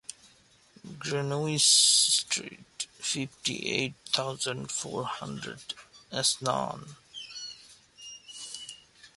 Grenois street, fifty eight thousand four hundred, Asnan